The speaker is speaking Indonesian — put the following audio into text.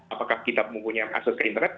apakah kita mempunyai akses ke internet